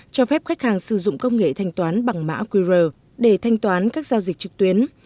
cho phép khách hàng sử dụng công nghệ thanh toán bằng mã qr để thanh toán các giao dịch trực tuyến